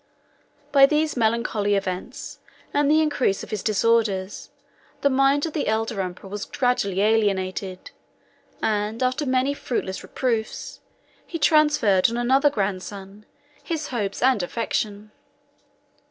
By these melancholy events, and the increase of his disorders, the mind of the elder emperor was gradually alienated; and, after many fruitless reproofs, he transferred on another grandson 8 his hopes and affection.